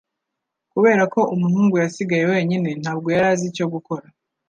Kubera ko umuhungu yasigaye wenyine ntabwo yari azi icyo gukora